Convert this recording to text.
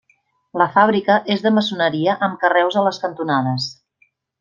La fàbrica és de maçoneria amb carreus a les cantonades.